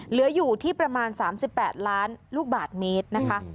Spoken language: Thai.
เหลืออยู่ที่ประมาณ๓๘ล้านลูกบาทเมตรนะคะ